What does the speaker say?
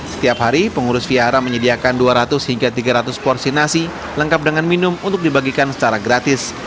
setiap hari pengurus wihara menyediakan dua ratus hingga tiga ratus porsi nasi lengkap dengan minum untuk dibagikan secara gratis